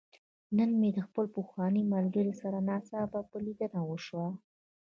نن مې د خپل پخواني ملګري سره ناڅاپه ليدنه وشوه.